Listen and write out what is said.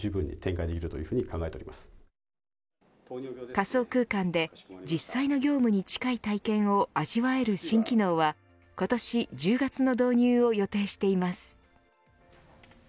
仮想空間で実際の業務に近い体験を味わえる新機能は今年１０月の投入を予定しています。